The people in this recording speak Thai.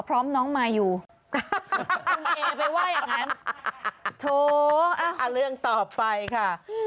เรื่องต่อไปค่ะ